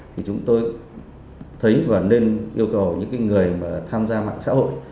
thì chúng tôi thấy và nên yêu cầu những người mà tham gia mạng xã hội